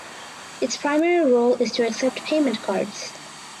Its primary role is to accept payment cards.